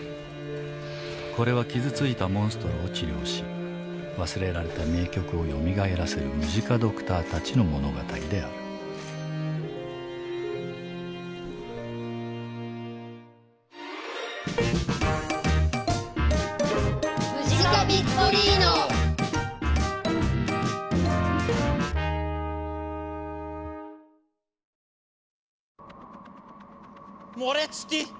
これは傷ついたモンストロを治療し忘れられた名曲をよみがえらせるムジカドクターたちの物語であるモレツティ！